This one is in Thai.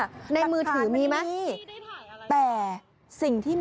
แต่ขาดไม่มี